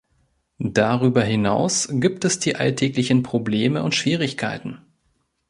Darüber hinaus gibt es die alltäglichen Probleme und Schwierigkeiten.